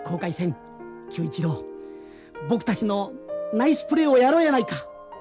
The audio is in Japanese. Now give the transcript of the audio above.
久一郎僕たちのナイスプレーをやろうやないか』。